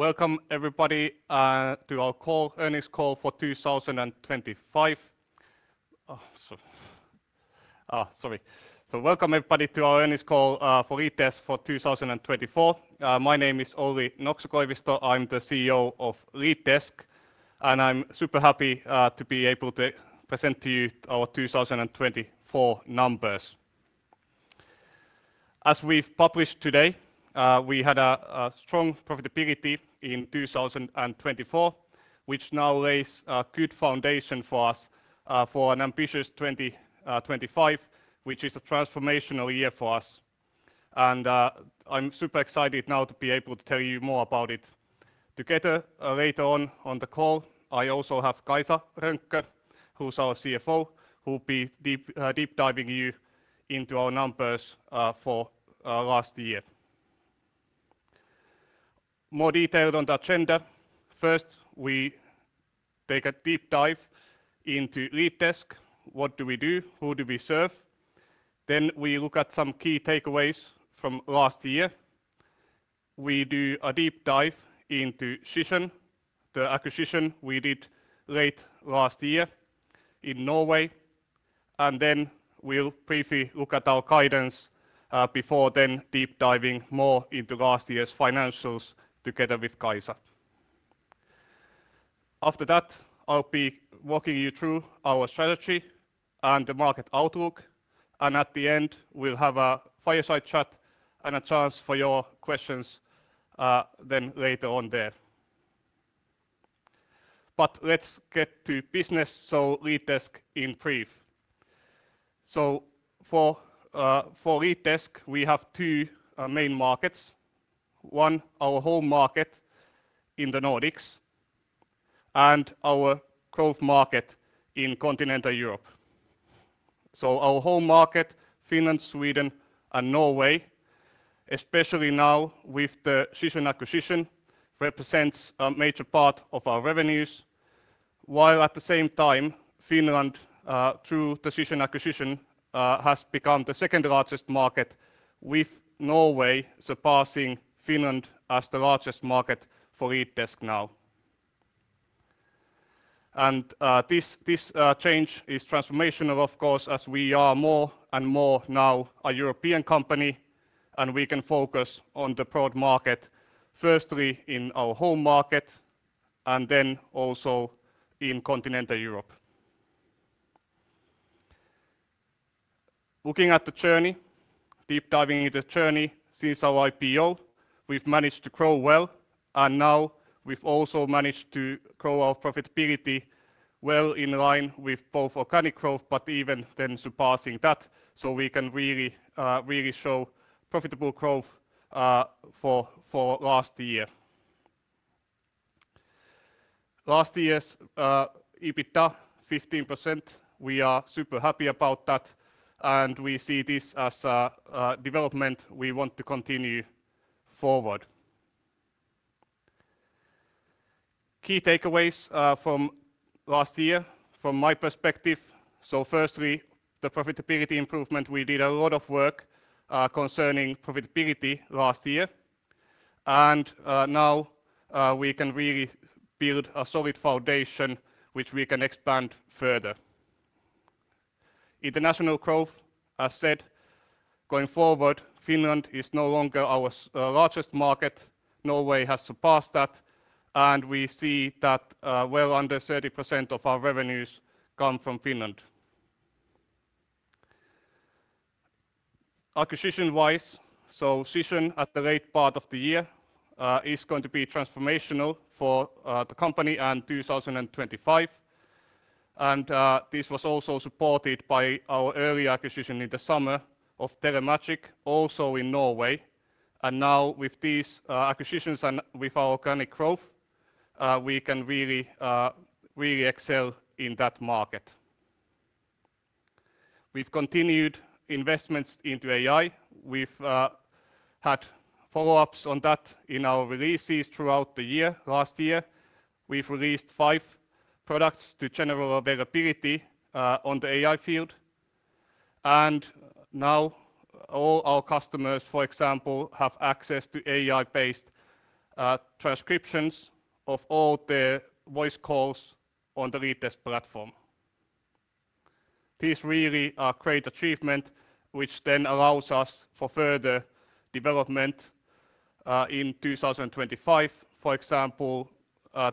Welcome everybody to our earnings call for 2025. Sorry. Welcome everybody to our earnings call for LeadDesk for 2024. My name is Olli Nokso-Koivisto. I'm the CEO of LeadDesk, and I'm super happy to be able to present to you our 2024 numbers. As we've published today, we had a strong profitability in 2024, which now lays a good foundation for us for an ambitious 2025, which is a transformational year for us. I'm super excited now to be able to tell you more about it. Together later on on the call, I also have Kaisa Rönkkö, who's our CFO, who will be deep diving you into our numbers for last year. More detailed on the agenda. First, we take a deep dive into LeadDesk. What do we do? Who do we serve? Then we look at some key takeaways from last year. We do a deep dive into Chisen, the acquisition we did late last year in Norway. Then we'll briefly look at our guidance before deep diving more into last year's financials together with Kaisa. After that, I'll be walking you through our strategy and the market outlook. At the end, we'll have a fireside chat and a chance for your questions later on there. Let's get to business. LeadDesk in brief. For LeadDesk, we have two main markets. One, our home market in the Nordics, and our growth market in continental Europe. Our home market, Finland, Sweden, and Norway, especially now with the Chisen acquisition, represents a major part of our revenues. At the same time, Finland, through the Chisen acquisition, has become the second largest market, with Norway surpassing Finland as the largest market for LeadDesk now. This change is transformational, of course, as we are more and more now a European company, and we can focus on the broad market, firstly in our home market, and then also in continental Europe. Looking at the journey, deep diving into the journey since our IPO, we've managed to grow well. We have also managed to grow our profitability well in line with both organic growth, but even then surpassing that. We can really show profitable growth for last year. Last year's EBITDA, 15%, we are super happy about that. We see this as a development we want to continue forward. Key takeaways from last year from my perspective. Firstly, the profitability improvement. We did a lot of work concerning profitability last year. Now we can really build a solid foundation, which we can expand further. International growth, as said, going forward, Finland is no longer our largest market. Norway has surpassed that. We see that well under 30% of our revenues come from Finland. Acquisition-wise, Chisen at the late part of the year is going to be transformational for the company and 2025. This was also supported by our early acquisition in the summer of Telematics, also in Norway. Now with these acquisitions and with our organic growth, we can really excel in that market. We've continued investments into AI. We've had follow-ups on that in our releases throughout the year. Last year, we've released five products to general availability on the AI field. Now all our customers, for example, have access to AI-based transcriptions of all the voice calls on the LeadDesk platform. These really are great achievements, which then allows us for further development in 2025, for example,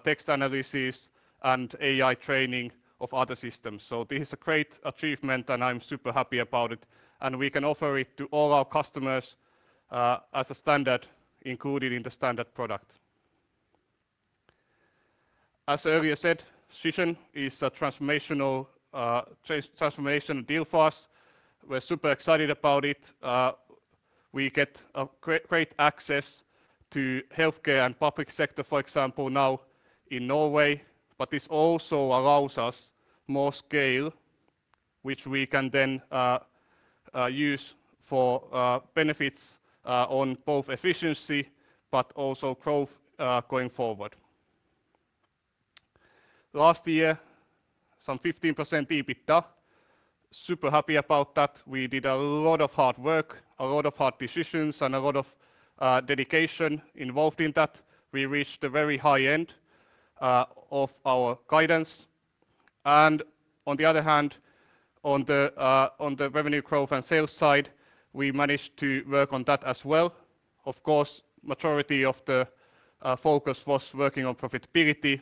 text analysis and AI training of other systems. This is a great achievement, and I'm super happy about it. We can offer it to all our customers as a standard included in the standard product. As earlier said, Chisen is a transformational deal for us. We're super excited about it. We get great access to healthcare and public sector, for example, now in Norway. This also allows us more scale, which we can then use for benefits on both efficiency, but also growth going forward. Last year, some 15% EBITDA. Super happy about that. We did a lot of hard work, a lot of hard decisions, and a lot of dedication involved in that. We reached the very high end of our guidance. On the other hand, on the revenue growth and sales side, we managed to work on that as well. Of course, the majority of the focus was working on profitability,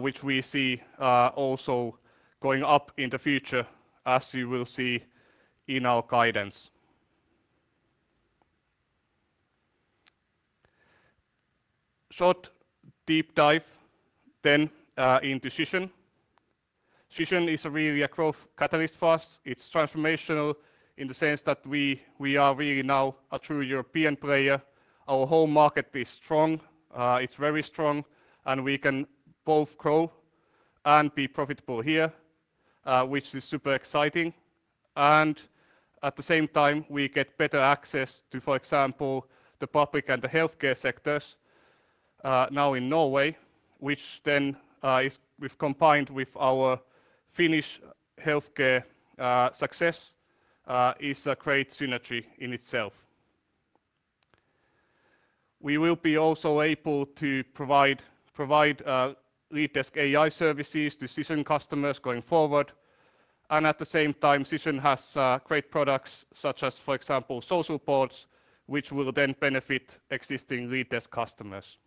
which we see also going up in the future, as you will see in our guidance. Short deep dive then into Chisen. Chisen is really a growth catalyst for us. It is transformational in the sense that we are really now a true European player. Our home market is strong. It is very strong. We can both grow and be profitable here, which is super exciting. At the same time, we get better access to, for example, the public and the healthcare sectors now in Norway, which, combined with our Finnish healthcare success, is a great synergy in itself. We will also be able to provide LeadDesk AI services to Chisen customers going forward. At the same time, Chisen has great products such as, for example, Social Pods, which will then benefit existing LeadDesk customers.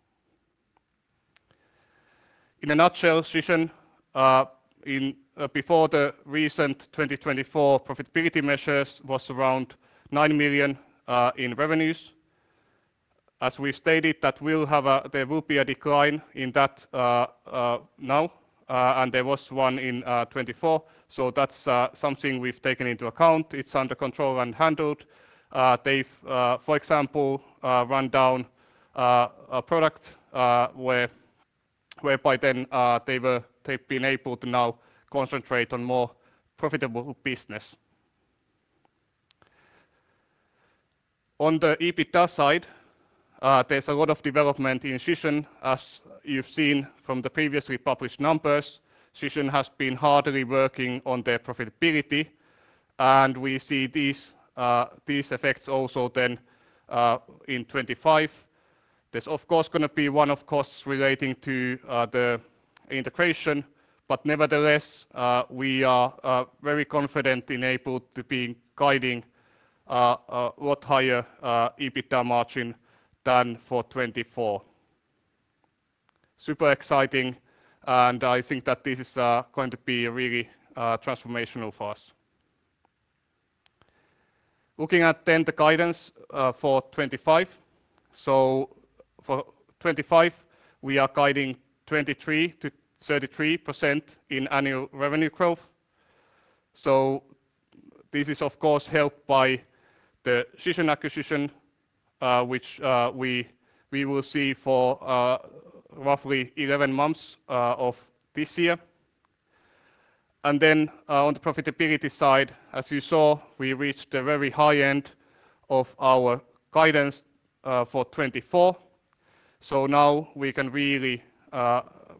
In a nutshell, Chisen before the recent 2024 profitability measures was around 9 million in revenues. As we've stated, there will be a decline in that now. There was one in 2024. That is something we've taken into account. It's under control and handled. They've, for example, run down a product whereby then they've been able to now concentrate on more profitable business. On the EBITDA side, there's a lot of development in Chisen. As you've seen from the previously published numbers, Chisen has been hardly working on their profitability. We see these effects also then in 2025. There is, of course, going to be one-off costs relating to the integration. Nevertheless, we are very confident and able to be guiding a lot higher EBITDA margin than for 2024. Super exciting. I think that this is going to be really transformational for us. Looking at the guidance for 2025. For 2025, we are guiding 23%-33% in annual revenue growth. This is, of course, helped by the Chisen acquisition, which we will see for roughly 11 months of this year. On the profitability side, as you saw, we reached the very high end of our guidance for 2024. Now we can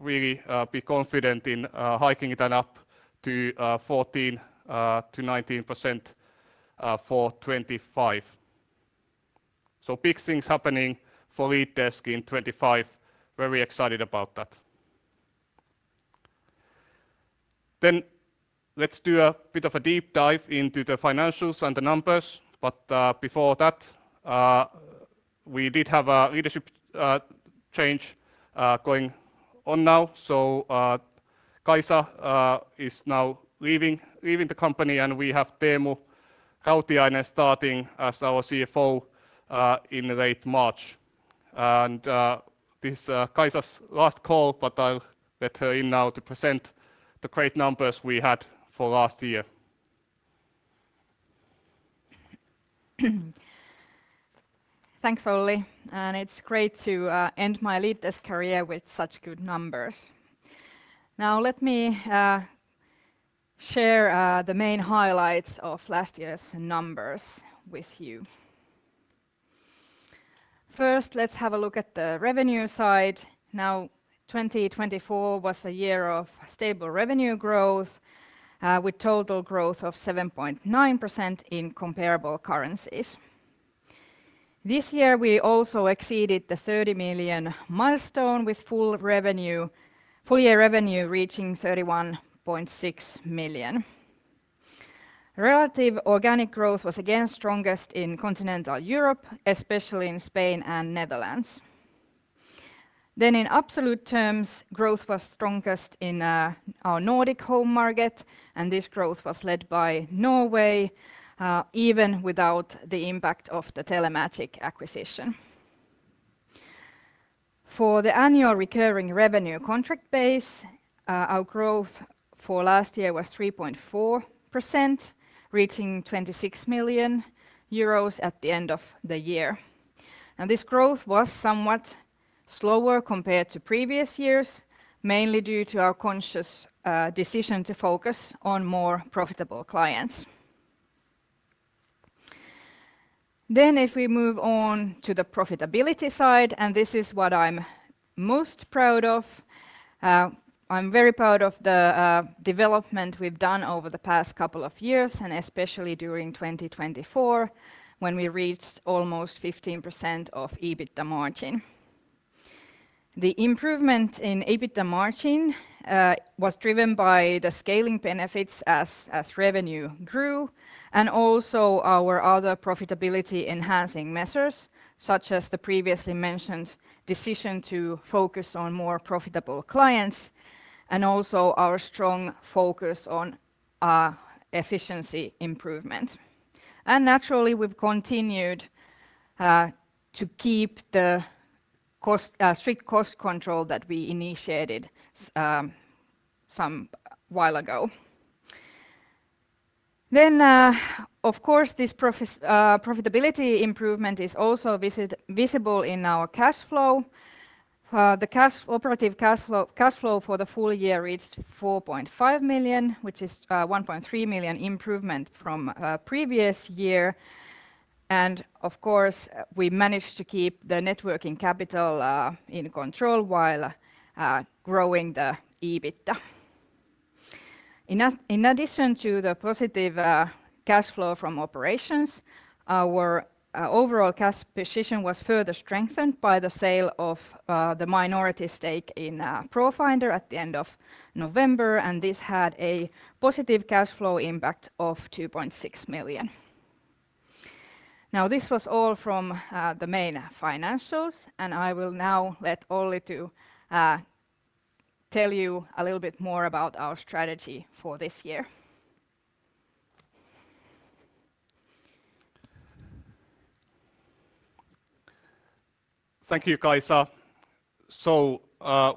really be confident in hiking that up to 14%-19% for 2025. Big things happening for LeadDesk in 2025. Very excited about that. Let's do a bit of a deep dive into the financials and the numbers. Before that, we did have a leadership change going on now. Kaisa is now leaving the company, and we have Teemu Rautiainen starting as our CFO in late March. This is Kaisa's last call, but I'll let her in now to present the great numbers we had for last year. Thanks, Olli. It is great to end my LeadDesk career with such good numbers. Now let me share the main highlights of last year's numbers with you. First, let's have a look at the revenue side. 2024 was a year of stable revenue growth with total growth of 7.9% in comparable currencies. This year, we also exceeded the 30 million milestone with full year revenue reaching 31.6 million. Relative organic growth was again strongest in continental Europe, especially in Spain and Netherlands. In absolute terms, growth was strongest in our Nordic home market. This growth was led by Norway, even without the impact of the Telematics acquisition. For the annual recurring revenue contract base, our growth for last year was 3.4%, reaching 26 million euros at the end of the year. This growth was somewhat slower compared to previous years, mainly due to our conscious decision to focus on more profitable clients. If we move on to the profitability side, and this is what I'm most proud of, I'm very proud of the development we've done over the past couple of years, and especially during 2024, when we reached almost 15% of EBITDA margin. The improvement in EBITDA margin was driven by the scaling benefits as revenue grew, and also our other profitability enhancing measures, such as the previously mentioned decision to focus on more profitable clients, and also our strong focus on efficiency improvement. Naturally, we've continued to keep the strict cost control that we initiated some while ago. Of course, this profitability improvement is also visible in our cash flow. The operative cash flow for the full year reached 4.5 million, which is a 1.3 million improvement from previous year. We managed to keep the networking capital in control while growing the EBITDA. In addition to the positive cash flow from operations, our overall cash position was further strengthened by the sale of the minority stake in ProFinder at the end of November. This had a positive cash flow impact of 2.6 million. This was all from the main financials. I will now let Olli tell you a little bit more about our strategy for this year. Thank you, Kaisa.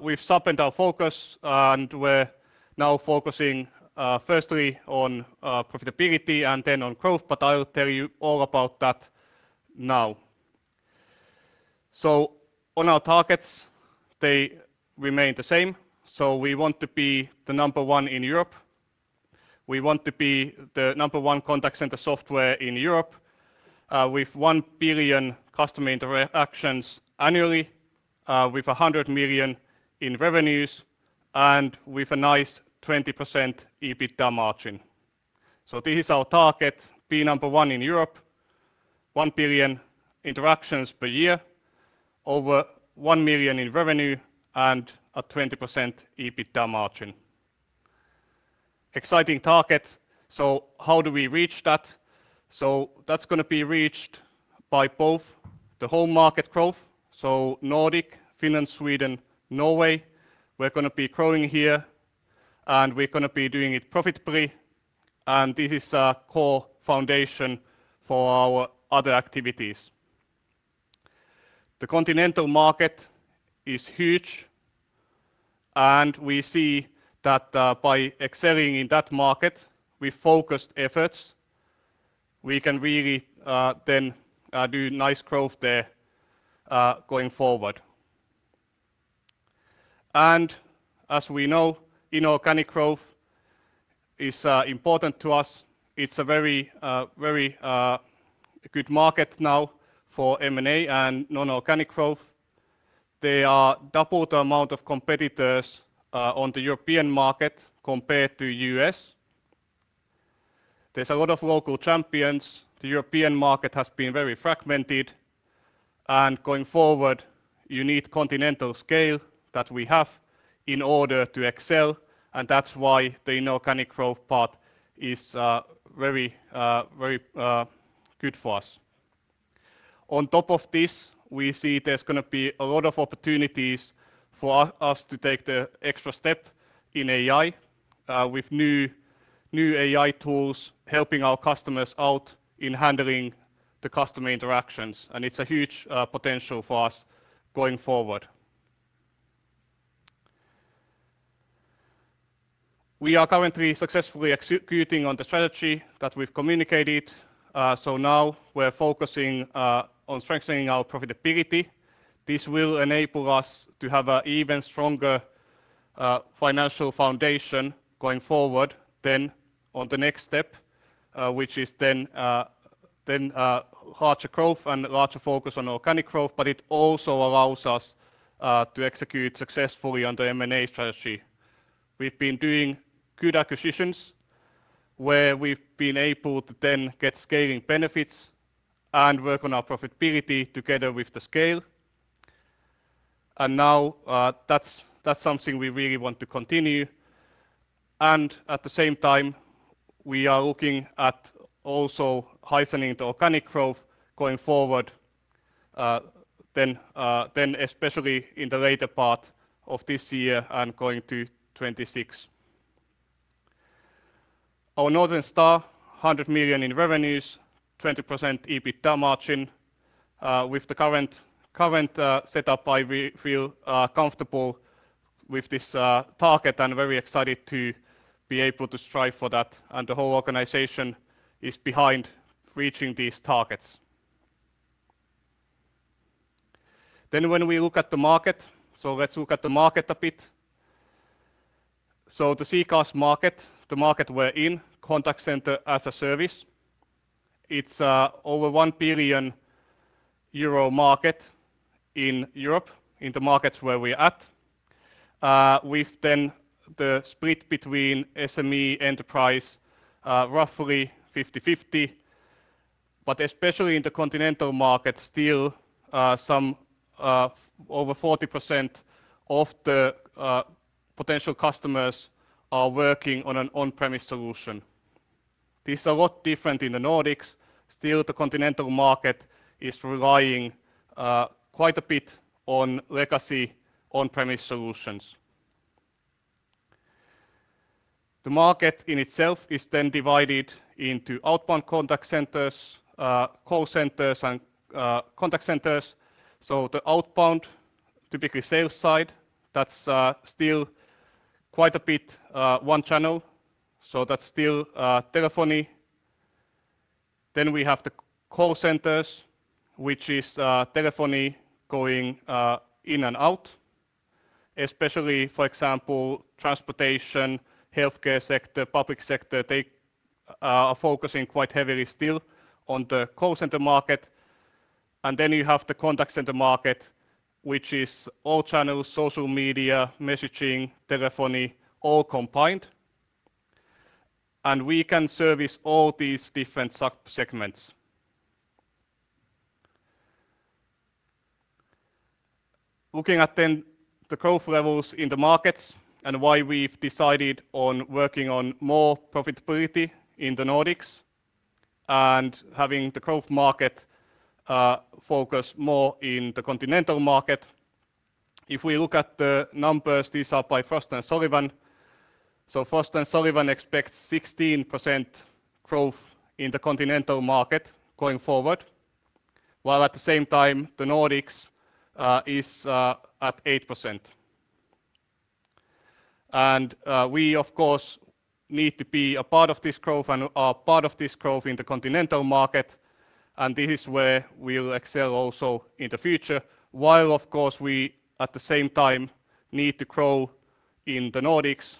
We've sharpened our focus. We're now focusing firstly on profitability and then on growth. I'll tell you all about that now. On our targets, they remain the same. We want to be the number one in Europe. We want to be the number one contact center software in Europe with 1 billion customer interactions annually, with 100 million in revenues, and with a nice 20% EBITDA margin. This is our target, be number one in Europe, 1 billion interactions per year, over 100 million in revenue, and a 20% EBITDA margin. Exciting target. How do we reach that? That's going to be reached by both the home market growth. Nordic, Finland, Sweden, Norway, we're going to be growing here. We're going to be doing it profitably. This is a core foundation for our other activities. The continental market is huge. We see that by excelling in that market with focused efforts, we can really then do nice growth there going forward. As we know, inorganic growth is important to us. It's a very good market now for M&A and non-organic growth. There are double the amount of competitors on the European market compared to the U.S. There's a lot of local champions. The European market has been very fragmented. Going forward, you need continental scale that we have in order to excel. That's why the inorganic growth part is very good for us. On top of this, we see there's going to be a lot of opportunities for us to take the extra step in AI with new AI tools helping our customers out in handling the customer interactions. It's a huge potential for us going forward. We are currently successfully executing on the strategy that we've communicated. We are focusing on strengthening our profitability. This will enable us to have an even stronger financial foundation going forward than on the next step, which is larger growth and larger focus on organic growth. It also allows us to execute successfully on the M&A strategy. We've been doing good acquisitions where we've been able to get scaling benefits and work on our profitability together with the scale. That is something we really want to continue. At the same time, we are looking at also heightening the organic growth going forward, especially in the later part of this year and going to 2026. Our Northern Star, 100 million in revenues, 20% EBITDA margin. With the current setup, I feel comfortable with this target and very excited to be able to strive for that. The whole organization is behind reaching these targets. When we look at the market, let's look at the market a bit. The CCAS market, the market we're in, contact center as a service, is over EUR 1 billion market in Europe in the markets where we're at, with the split between SME and enterprise, roughly 50-50. Especially in the continental market, still some over 40% of the potential customers are working on an on-premise solution. This is a lot different in the Nordics. Still, the continental market is relying quite a bit on legacy on-premise solutions. The market in itself is then divided into outbound contact centers, call centers, and contact centers. The outbound, typically sales side, that's still quite a bit one channel. That's still telephony. Then we have the call centers, which is telephony going in and out, especially, for example, transportation, healthcare sector, public sector. They are focusing quite heavily still on the call center market. You have the contact center market, which is all channels, social media, messaging, telephony, all combined. We can service all these different subsegments. Looking at the growth levels in the markets and why we've decided on working on more profitability in the Nordics and having the growth market focus more in the continental market. If we look at the numbers, these are by Frost & Sullivan. Frost & Sullivan expect 16% growth in the continental market going forward, while at the same time the Nordics is at 8%. We, of course, need to be a part of this growth and are part of this growth in the continental market. This is where we will excel also in the future, while, of course, we at the same time need to grow in the Nordics.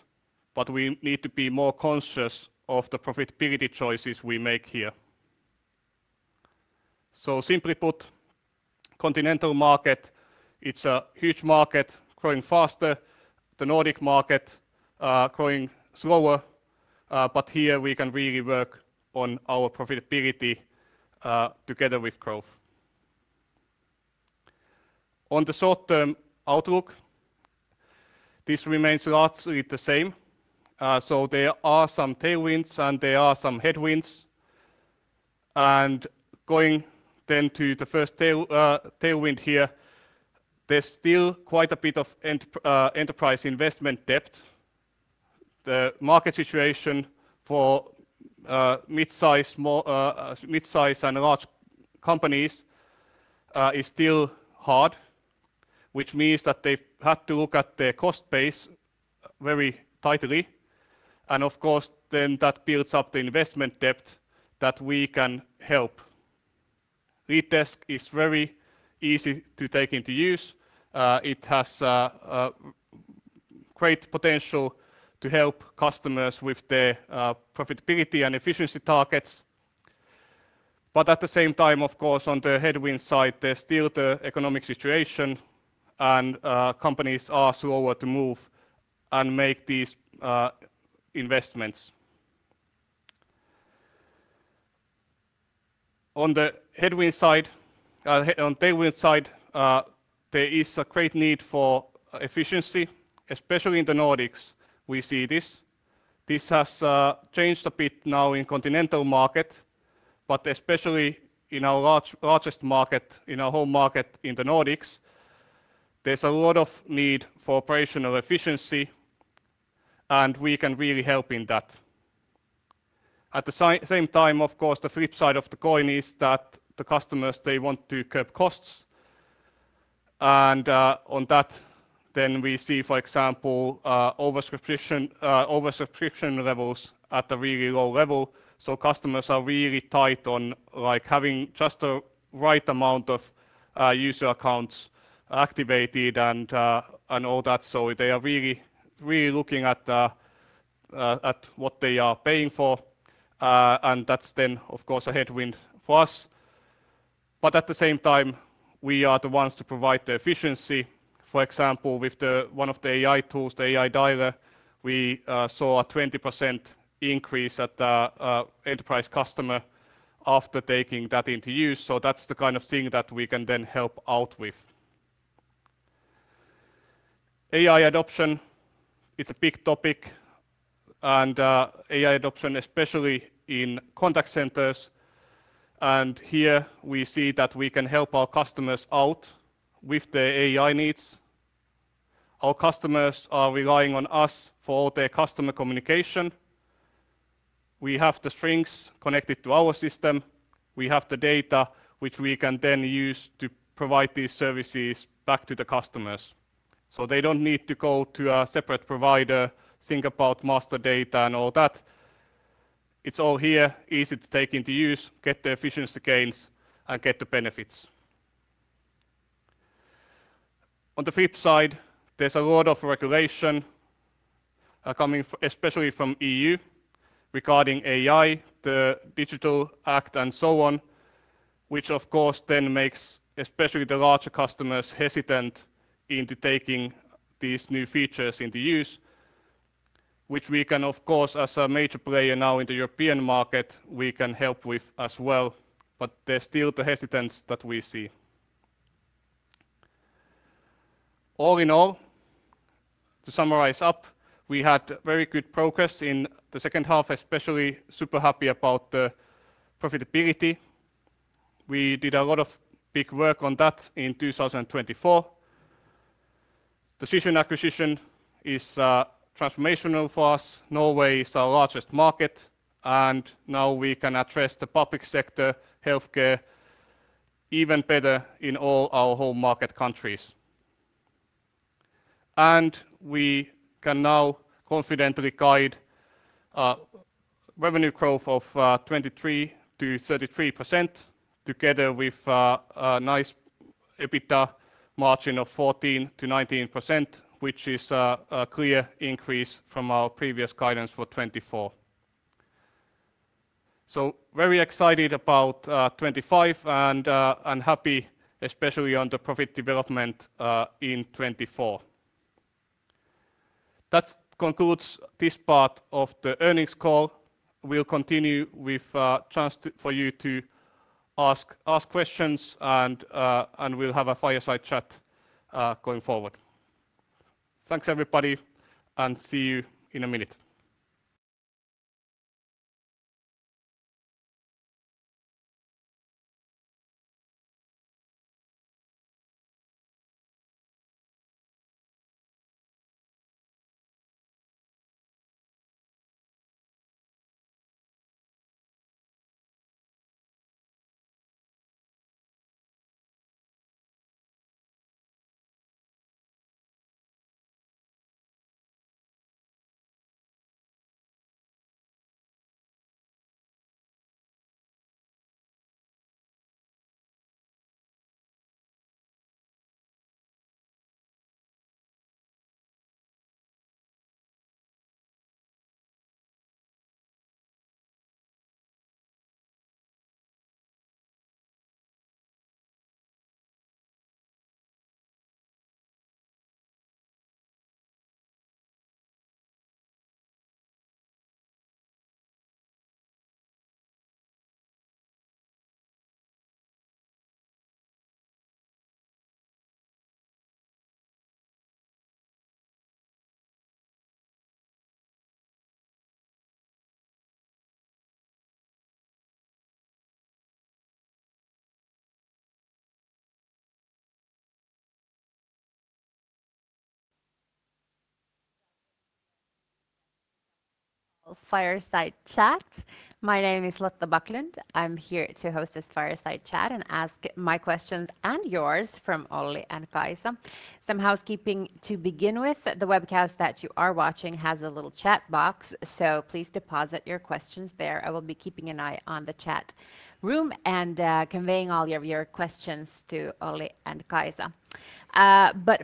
We need to be more conscious of the profitability choices we make here. Simply put, continental market, it is a huge market growing faster, the Nordic market growing slower. Here we can really work on our profitability together with growth. On the short-term outlook, this remains largely the same. There are some tailwinds and there are some headwinds. Going then to the first tailwind here, there is still quite a bit of enterprise investment depth. The market situation for mid-size and large companies is still hard, which means that they have had to look at their cost base very tightly. Of course, then that builds up the investment depth that we can help. LeadDesk is very easy to take into use. It has great potential to help customers with their profitability and efficiency targets. At the same time, of course, on the headwind side, there's still the economic situation. Companies are slower to move and make these investments. On the headwind side, on tailwind side, there is a great need for efficiency, especially in the Nordics. We see this. This has changed a bit now in the continental market. Especially in our largest market, in our home market in the Nordics, there's a lot of need for operational efficiency. We can really help in that. At the same time, of course, the flip side of the coin is that the customers, they want to curb costs. On that, we see, for example, oversubscription levels at a really low level. Customers are really tight on having just the right amount of user accounts activated and all that. They are really looking at what they are paying for. That is, of course, a headwind for us. At the same time, we are the ones to provide the efficiency. For example, with one of the AI tools, the AI dialer, we saw a 20% increase at the enterprise customer after taking that into use. That is the kind of thing that we can then help out with. AI adoption, it is a big topic. AI adoption, especially in contact centers. Here we see that we can help our customers out with their AI needs. Our customers are relying on us for all their customer communication. We have the strings connected to our system. We have the data, which we can then use to provide these services back to the customers. They do not need to go to a separate provider, think about master data and all that. It is all here, easy to take into use, get the efficiency gains, and get the benefits. On the flip side, there is a lot of regulation coming, especially from the EU, regarding AI, the Digital Act, and so on, which, of course, then makes especially the larger customers hesitant into taking these new features into use, which we can, of course, as a major player now in the European market, help with as well. There is still the hesitance that we see. All in all, to summarize up, we had very good progress in the second half, especially super happy about the profitability. We did a lot of big work on that in 2024. Zisson acquisition is transformational for us. Norway is our largest market. We can address the public sector, healthcare even better in all our home market countries. We can now confidently guide revenue growth of 23%-33% together with a nice EBITDA margin of 14%-19%, which is a clear increase from our previous guidance for 2024. Very excited about 2025 and happy, especially on the profit development in 2024. That concludes this part of the earnings call. We will continue with a chance for you to ask questions. We will have a fireside chat going forward. Thanks, everybody. See you in a minute. All fireside chat. My name is Lotta Backlund. I'm here to host this fireside chat and ask my questions and yours from Olli and Kaisa. Some housekeeping to begin with. The webcast that you are watching has a little chat box. Please deposit your questions there. I will be keeping an eye on the chat room and conveying all your questions to Olli and Kaisa.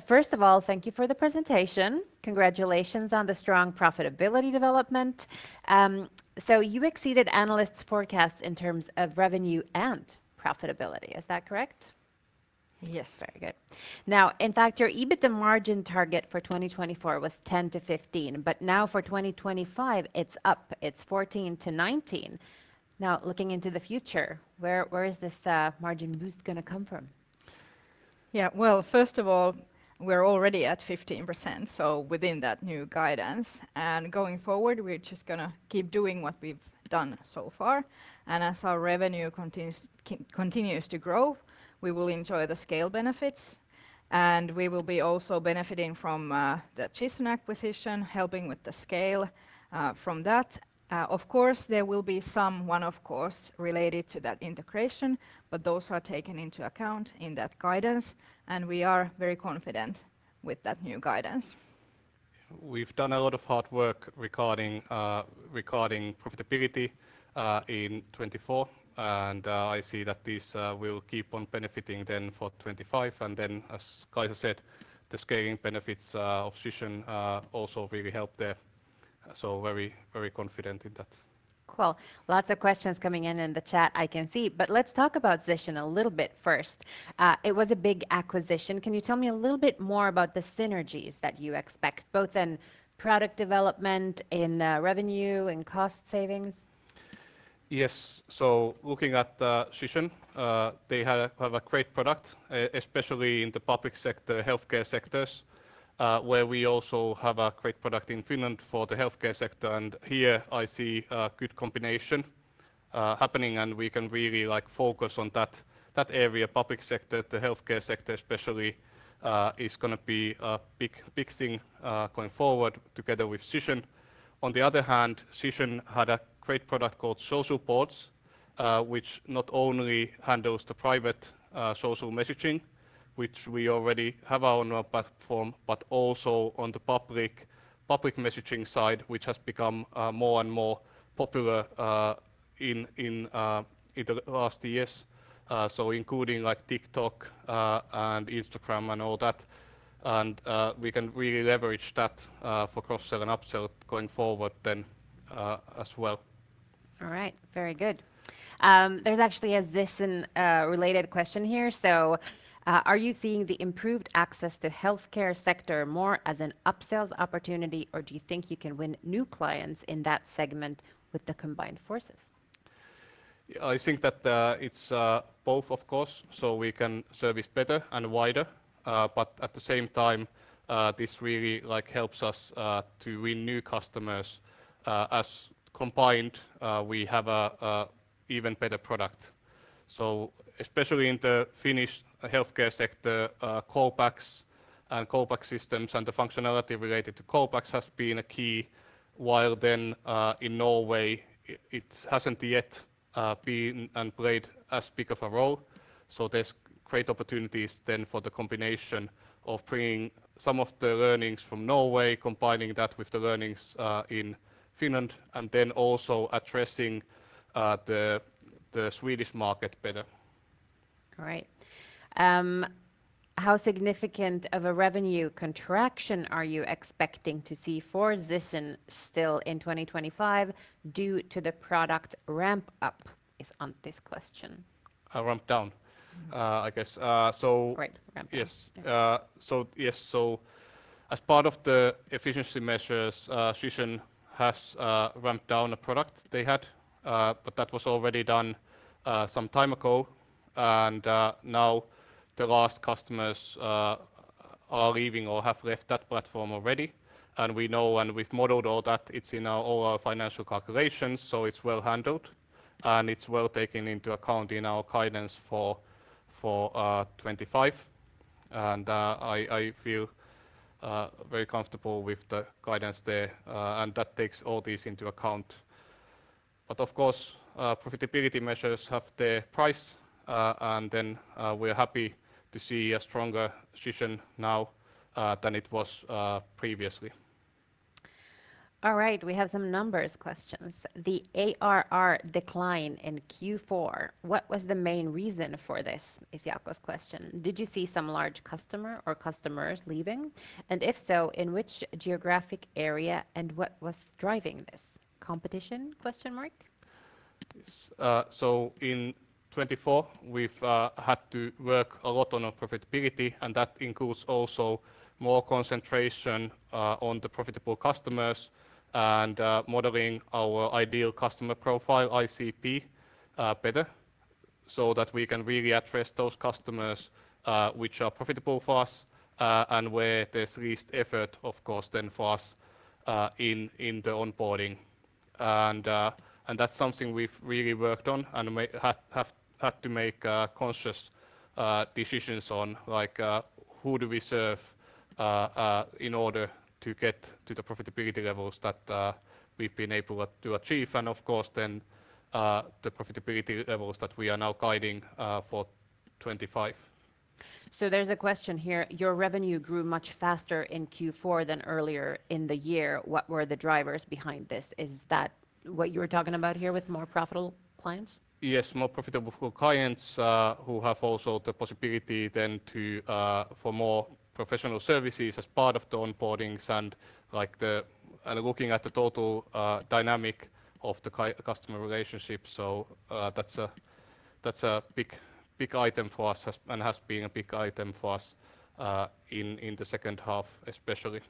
First of all, thank you for the presentation. Congratulations on the strong profitability development. You exceeded analysts' forecasts in terms of revenue and profitability. Is that correct? Yes. Very good. Now, in fact, your EBITDA margin target for 2024 was 10-15%. Now for 2025, it's up. It's 14-19%. Now, looking into the future, where is this margin boost going to come from? Yeah, first of all, we're already at 15%. Within that new guidance. Going forward, we're just going to keep doing what we've done so far. As our revenue continues to grow, we will enjoy the scale benefits. We will be also benefiting from the Chisen acquisition, helping with the scale from that. Of course, there will be some, of course, related to that integration. Those are taken into account in that guidance. We are very confident with that new guidance. We've done a lot of hard work regarding profitability in 2024. I see that this will keep on benefiting then for 2025. As Kaisa said, the scaling benefits of Chisen also really helped there. Very, very confident in that. Cool. Lots of questions coming in in the chat, I can see. Let's talk about Zisson a little bit first. It was a big acquisition. Can you tell me a little bit more about the synergies that you expect, both in product development, in revenue, in cost savings? Yes. Looking at Chisen, they have a great product, especially in the public sector, healthcare sectors, where we also have a great product in Finland for the healthcare sector. Here, I see a good combination happening. We can really focus on that area. Public sector, the healthcare sector especially, is going to be a big thing going forward together with Chisen. On the other hand, Chisen had a great product called Social Pods, which not only handles the private social messaging, which we already have on our own platform, but also on the public messaging side, which has become more and more popular in the last years, including TikTok and Instagram and all that. We can really leverage that for cross-sell and upsell going forward then as well. All right. Very good. There is actually a Zisson-related question here. Are you seeing the improved access to healthcare sector more as an upsell opportunity, or do you think you can win new clients in that segment with the combined forces? I think that it's both, of course. We can service better and wider. At the same time, this really helps us to win new customers. As combined, we have an even better product. Especially in the Finnish healthcare sector, CoopAx and CoopAx systems and the functionality related to CoopAx has been a key. While in Norway, it hasn't yet been and played as big of a role. There are great opportunities for the combination of bringing some of the learnings from Norway, combining that with the learnings in Finland, and also addressing the Swedish market better. All right. How significant of a revenue contraction are you expecting to see for Zisson still in 2025 due to the product ramp-up? Is Antti's question. Ramp-down, I guess. Right. Ramp-up. Yes. Yes. As part of the efficiency measures, Chisen has ramped down a product they had. That was already done some time ago. Now the last customers are leaving or have left that platform already. We know and we've modeled all that. It's in all our financial calculations. It's well handled. It's well taken into account in our guidance for 2025. I feel very comfortable with the guidance there. That takes all these into account. Of course, profitability measures have their price. We're happy to see a stronger Chisen now than it was previously. All right. We have some numbers questions. The ARR decline in Q4, what was the main reason for this? Is Jakko's question. Did you see some large customer or customers leaving? If so, in which geographic area? What was driving this? Competition? In 2024, we've had to work a lot on our profitability. That includes also more concentration on the profitable customers and modeling our ideal customer profile, ICP, better so that we can really address those customers which are profitable for us and where there's least effort, of course, then for us in the onboarding. That's something we've really worked on and have had to make conscious decisions on, who do we serve in order to get to the profitability levels that we've been able to achieve. Of course, then the profitability levels that we are now guiding for 2025. There is a question here. Your revenue grew much faster in Q4 than earlier in the year. What were the drivers behind this? Is that what you were talking about here with more profitable clients? Yes, more profitable clients who have also the possibility then for more professional services as part of the onboardings and looking at the total dynamic of the customer relationship. That is a big item for us and has been a big item for us in the second half, especially.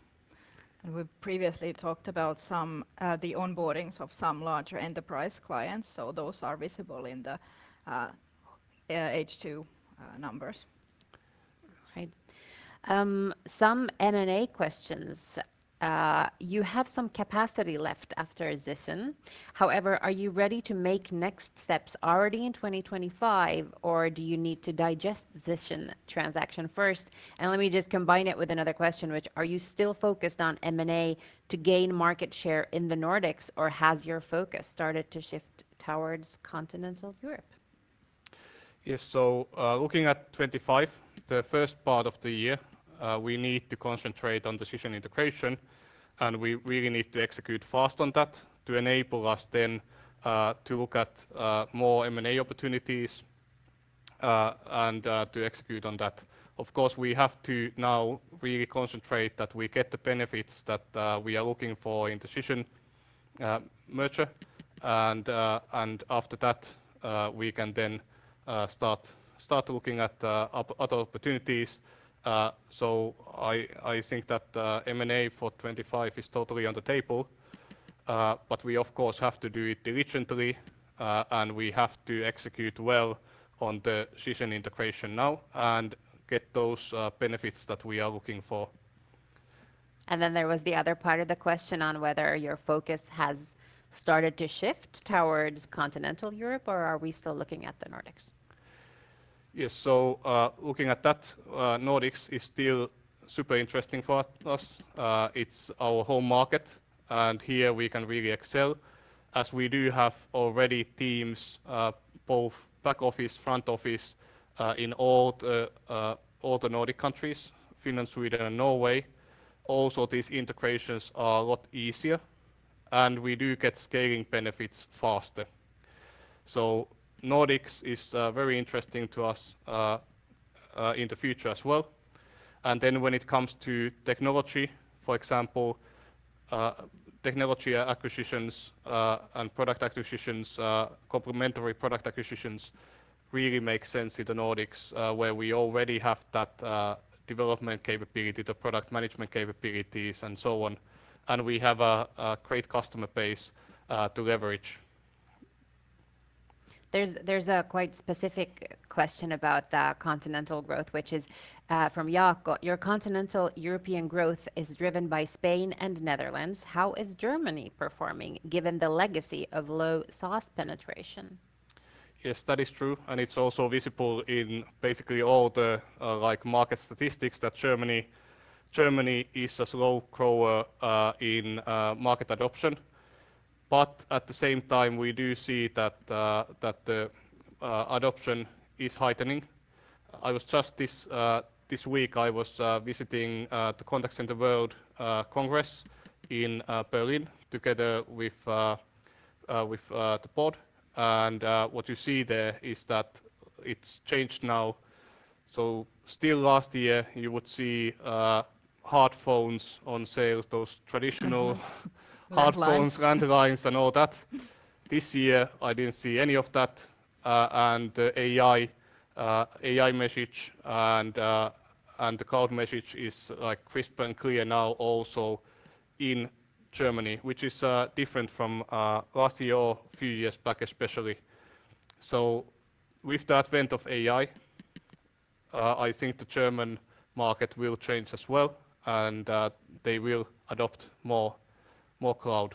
We previously talked about the onboardings of some larger enterprise clients. Those are visible in the H2 numbers. All right. Some M&A questions. You have some capacity left after Zisson. However, are you ready to make next steps already in 2025, or do you need to digest Zisson transaction first? Let me just combine it with another question, which are you still focused on M&A to gain market share in the Nordics, or has your focus started to shift towards continental Europe? Yes. Looking at 2025, the first part of the year, we need to concentrate on Zisson integration. We really need to execute fast on that to enable us to look at more M&A opportunities and to execute on that. Of course, we have to now really concentrate that we get the benefits that we are looking for in the Zisson merger. After that, we can then start looking at other opportunities. I think that M&A for 2025 is totally on the table. We, of course, have to do it diligently. We have to execute well on the Zisson integration now and get those benefits that we are looking for. There was the other part of the question on whether your focus has started to shift towards continental Europe, or are we still looking at the Nordics? Yes. Looking at that, Nordics is still super interesting for us. It's our home market. Here we can really excel, as we do have already teams, both back office and front office, in all the Nordic countries, Finland, Sweden, and Norway. Also, these integrations are a lot easier, and we do get scaling benefits faster. Nordics is very interesting to us in the future as well. When it comes to technology, for example, technology acquisitions and product acquisitions, complementary product acquisitions really make sense in the Nordics, where we already have that development capability, the product management capabilities, and so on. We have a great customer base to leverage. There's a quite specific question about the continental growth, which is from Jakko. Your continental European growth is driven by Spain and Netherlands. How is Germany performing given the legacy of low SaaS penetration? Yes, that is true. It is also visible in basically all the market statistics that Germany is a slow grower in market adoption. At the same time, we do see that the adoption is heightening. I was just this week, I was visiting the Contact Center World Congress in Berlin together with the pod. What you see there is that it has changed now. Still last year, you would see hard phones on sales, those traditional hard phones, landlines, and all that. This year, I did not see any of that. The AI message and the cloud message is crisp and clear now also in Germany, which is different from last year, a few years back, especially. With the advent of AI, I think the German market will change as well. They will adopt more cloud.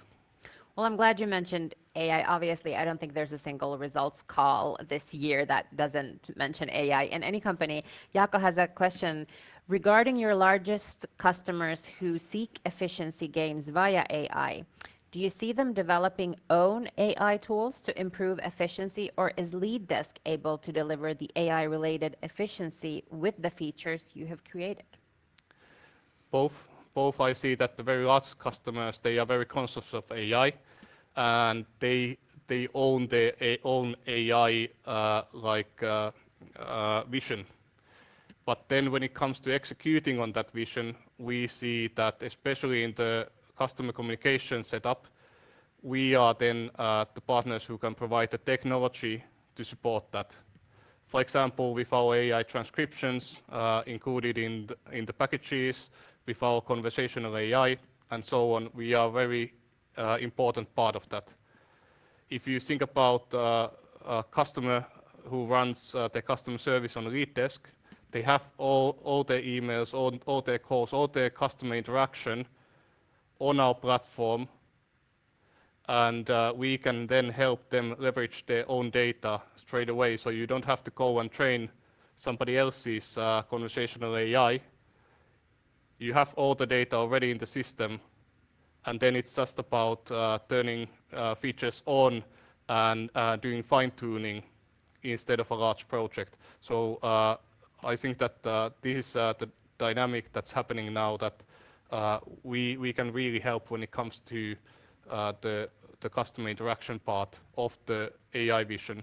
I'm glad you mentioned AI. Obviously, I don't think there's a single results call this year that doesn't mention AI in any company. Jakko has a question regarding your largest customers who seek efficiency gains via AI. Do you see them developing own AI tools to improve efficiency, or is LeadDesk able to deliver the AI-related efficiency with the features you have created? Both. Both. I see that the very large customers, they are very conscious of AI. They own their own AI vision. When it comes to executing on that vision, we see that especially in the customer communication setup, we are the partners who can provide the technology to support that. For example, with our AI-based transcriptions included in the packages, with our conversational AI, and so on, we are a very important part of that. If you think about a customer who runs their customer service on LeadDesk, they have all their emails, all their calls, all their customer interaction on our platform. We can help them leverage their own data straight away. You do not have to go and train somebody else's conversational AI. You have all the data already in the system. It is just about turning features on and doing fine-tuning instead of a large project. I think that this is the dynamic that's happening now, that we can really help when it comes to the customer interaction part of the AI vision.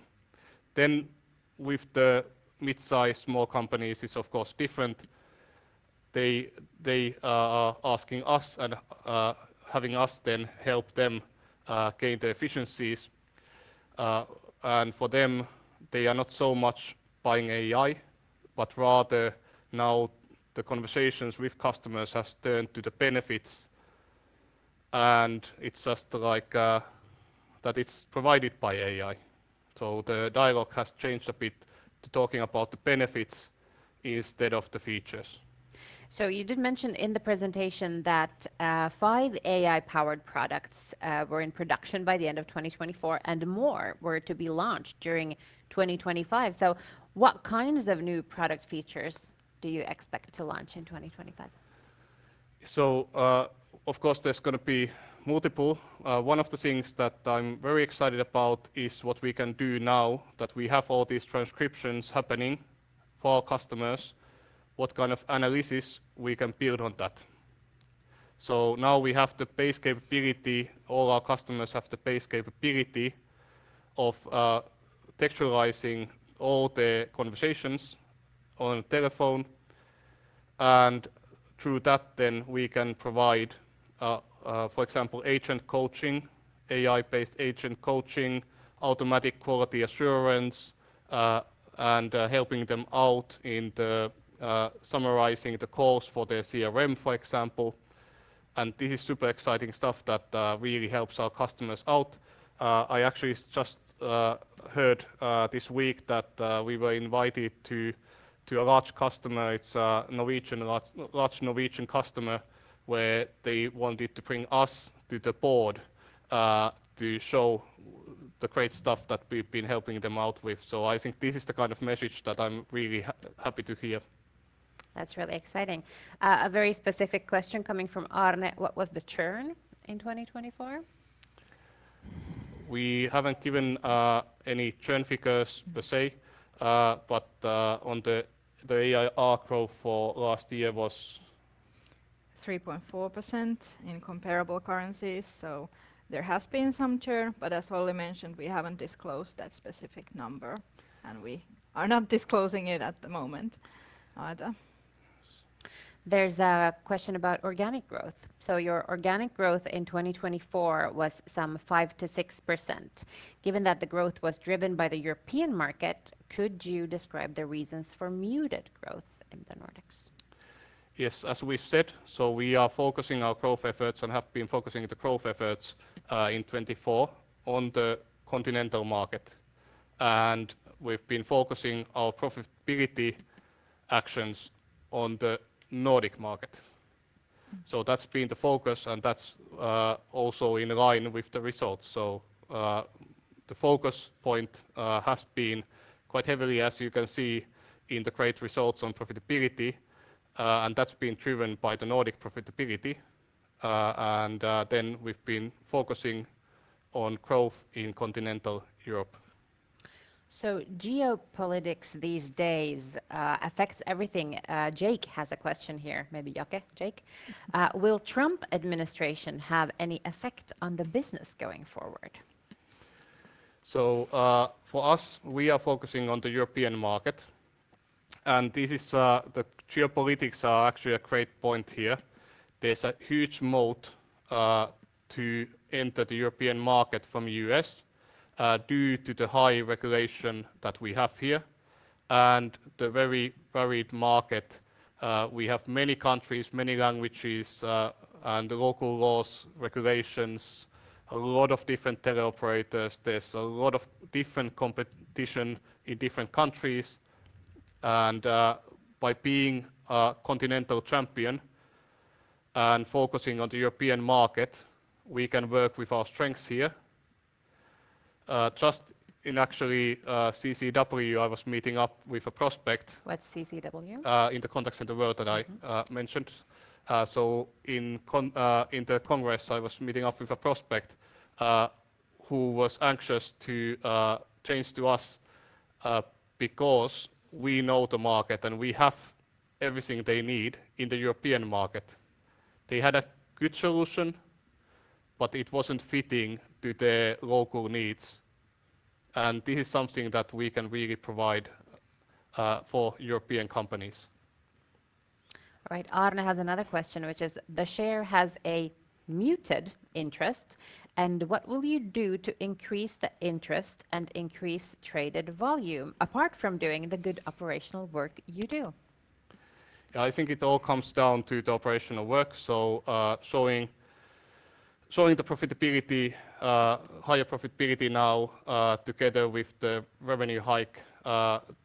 With the mid-size, small companies, it is, of course, different. They are asking us and having us then help them gain their efficiencies. For them, they are not so much buying AI, but rather now the conversations with customers have turned to the benefits. It is just that it is provided by AI. The dialogue has changed a bit to talking about the benefits instead of the features. You did mention in the presentation that five AI-powered products were in production by the end of 2024, and more were to be launched during 2025. What kinds of new product features do you expect to launch in 2025? Of course, there's going to be multiple. One of the things that I'm very excited about is what we can do now that we have all these transcriptions happening for our customers, what kind of analysis we can build on that. Now we have the base capability. All our customers have the base capability of texturizing all the conversations on the telephone. Through that, we can provide, for example, agent coaching, AI-based agent coaching, automatic quality assurance, and helping them out in summarizing the calls for their CRM, for example. This is super exciting stuff that really helps our customers out. I actually just heard this week that we were invited to a large customer. It's a large Norwegian customer, where they wanted to bring us to the board to show the great stuff that we've been helping them out with. I think this is the kind of message that I'm really happy to hear. That's really exciting. A very specific question coming from Arnet. What was the churn in 2024? We haven't given any churn figures per se. On the ARR growth for last year was. 3.4% in comparable currencies. There has been some churn. As Olli mentioned, we haven't disclosed that specific number. We are not disclosing it at the moment either. There's a question about organic growth. Your organic growth in 2024 was some 5%-6%. Given that the growth was driven by the European market, could you describe the reasons for muted growth in the Nordics? Yes, as we've said. We are focusing our growth efforts and have been focusing the growth efforts in 2024 on the continental market. We have been focusing our profitability actions on the Nordic market. That has been the focus. That is also in line with the results. The focus point has been quite heavily, as you can see, in the great results on profitability. That has been driven by the Nordic profitability. We have been focusing on growth in continental Europe. Geopolitics these days affects everything. Jake has a question here. Maybe Jakko, Jake. Will Trump administration have any effect on the business going forward? For us, we are focusing on the European market. This is the geopolitics are actually a great point here. There's a huge moat to enter the European market from the U.S. due to the high regulation that we have here and the very varied market. We have many countries, many languages, and local laws, regulations, a lot of different teleoperators. There's a lot of different competition in different countries. By being a continental champion and focusing on the European market, we can work with our strengths here. Just in actually CCW, I was meeting up with a prospect. What's CCW? In the Contact Center World that I mentioned. In the Congress, I was meeting up with a prospect who was anxious to change to us because we know the market and we have everything they need in the European market. They had a good solution, but it wasn't fitting to their local needs. This is something that we can really provide for European companies. All right. Arnet has another question, which is the share has a muted interest. What will you do to increase the interest and increase traded volume apart from doing the good operational work you do? Yeah, I think it all comes down to the operational work. Showing the profitability, higher profitability now together with the revenue hike,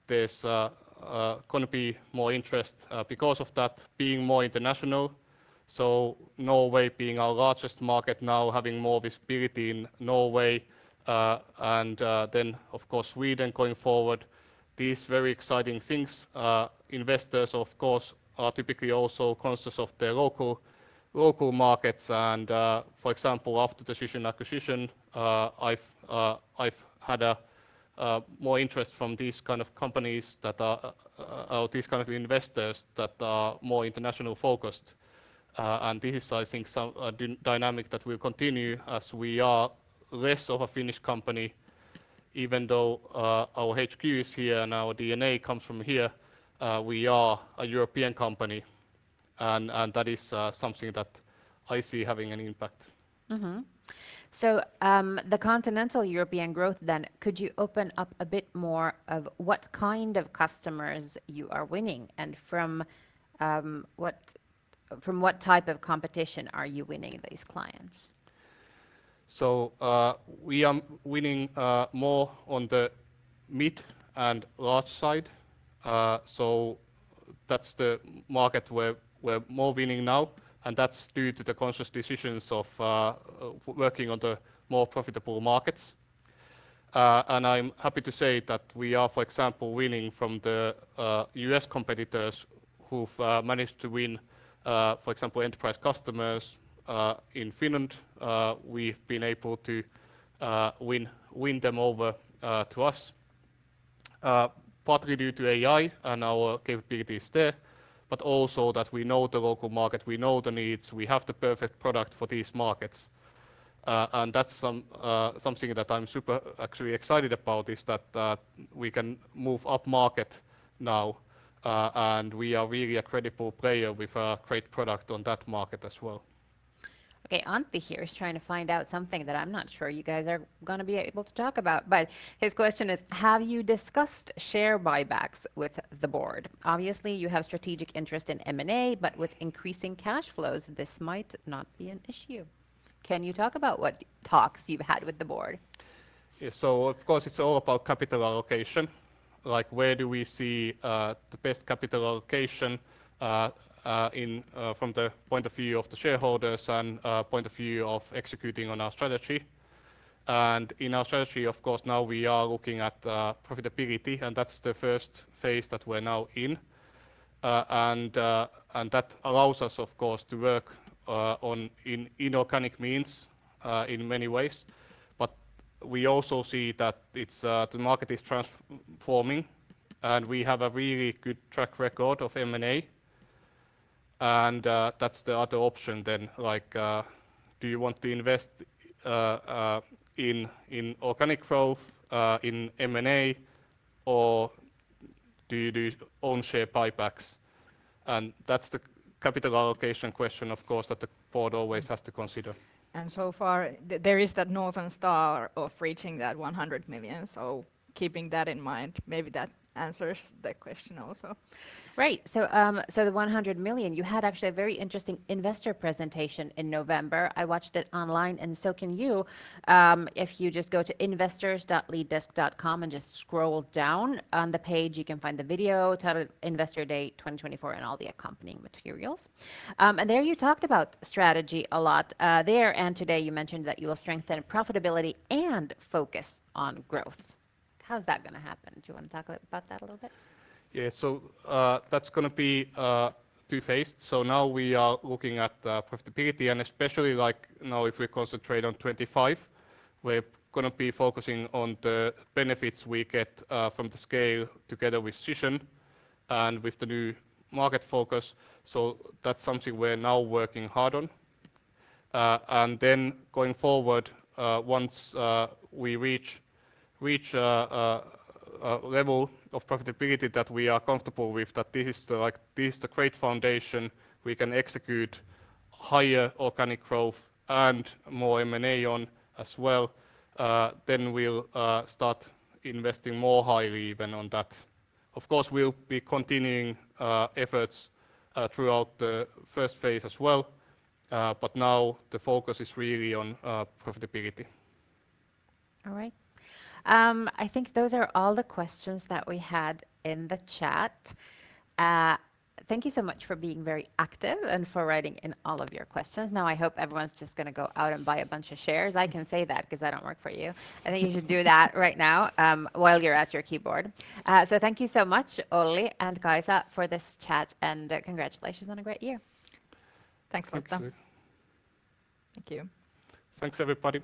there's going to be more interest because of that being more international. Norway being our largest market now, having more visibility in Norway, and, of course, Sweden going forward, these very exciting things. Investors, of course, are typically also conscious of their local markets. For example, after the Zisson acquisition, I've had more interest from these kind of companies that are these kind of investors that are more international focused. This is, I think, some dynamic that will continue as we are less of a Finnish company, even though our HQ is here and our DNA comes from here. We are a European company. That is something that I see having an impact. The continental European growth then, could you open up a bit more of what kind of customers you are winning and from what type of competition are you winning these clients? We are winning more on the mid and large side. That is the market where we're more winning now. That is due to the conscious decisions of working on the more profitable markets. I'm happy to say that we are, for example, winning from the US competitors who've managed to win, for example, enterprise customers in Finland. We've been able to win them over to us, partly due to AI and our capabilities there, but also that we know the local market, we know the needs, we have the perfect product for these markets. That is something that I'm super actually excited about, that we can move up market now. We are really a credible player with a great product on that market as well. Okay. Antti here is trying to find out something that I'm not sure you guys are going to be able to talk about. His question is, have you discussed share buybacks with the board? Obviously, you have strategic interest in M&A, but with increasing cash flows, this might not be an issue. Can you talk about what talks you've had with the board? Yeah. Of course, it's all about capital allocation. Like where do we see the best capital allocation from the point of view of the shareholders and point of view of executing on our strategy. In our strategy, of course, now we are looking at profitability. That's the first phase that we're now in. That allows us, of course, to work in organic means in many ways. We also see that the market is transforming. We have a really good track record of M&A. That's the other option then. Like do you want to invest in organic growth, in M&A, or do you do own share buybacks? That's the capital allocation question, of course, that the board always has to consider. So far, there is that northern star of reaching that 100 million. Keeping that in mind, maybe that answers the question also. Right. The 100 million, you had actually a very interesting investor presentation in November. I watched it online. If you just go to investors.leaddesk.com and just scroll down on the page, you can find the video titled Investor Day 2024 and all the accompanying materials. You talked about strategy a lot there. Today you mentioned that you will strengthen profitability and focus on growth. How is that going to happen? Do you want to talk about that a little bit? Yeah. That is going to be two-phased. Now we are looking at profitability and especially like now if we concentrate on 2025, we are going to be focusing on the benefits we get from the scale together with Zisson and with the new market focus. That is something we are now working hard on. Going forward, once we reach a level of profitability that we are comfortable with, that this is the great foundation we can execute higher organic growth and more M&A on as well, we will start investing more highly even on that. Of course, we will be continuing efforts throughout the first phase as well. Now the focus is really on profitability. All right. I think those are all the questions that we had in the chat. Thank you so much for being very active and for writing in all of your questions. Now I hope everyone's just going to go out and buy a bunch of shares. I can say that because I do not work for you. I think you should do that right now while you're at your keyboard. Thank you so much, Olli and Kaisa, for this chat. Congratulations on a great year. Thanks, Martin. Thank you. Thanks, everybody.